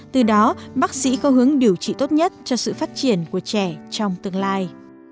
từ đó bác sĩ có hướng điều trị tốt nhất cho sự phát triển của trẻ trong tương lai